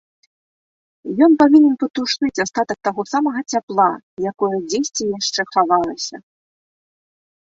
Ён павінен патушыць астатак таго самага цяпла, якое дзесьці яшчэ хавалася.